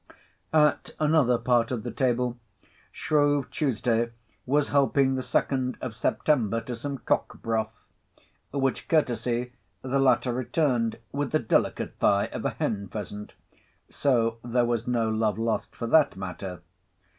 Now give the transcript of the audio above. At another part of the table, Shrove Tuesday was helping the Second of September to some cock broth,—which courtesy the latter returned with the delicate thigh of a hen pheasant—so there was no love lost for that matter.